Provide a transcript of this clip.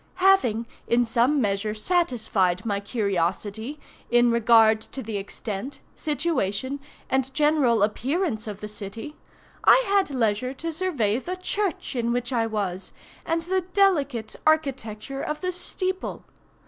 Having, in some measure, satisfied my curiosity in regard to the extent, situation, and general appearance of the city, I had leisure to survey the church in which I was, and the delicate architecture of the steeple.